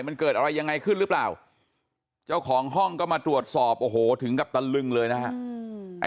มันเกิดอะไรยังไงขึ้นหรือเปล่าเจ้าของห้องก็มาตรวจสอบโอ้โหถึงกับตะลึงเลยนะฮะ